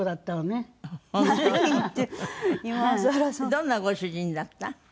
どんなご主人だった？